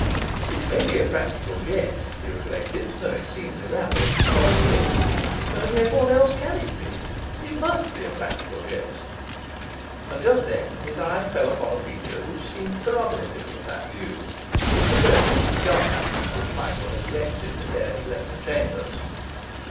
'It may be a practical jest,' he reflected, 'though it seems elaborate and costly. And yet what else can it be? It MUST be a practical jest.' And just then his eye fell upon a feature which seemed corroborative of that view: the pagoda of cigars which Michael had erected ere he left the chambers.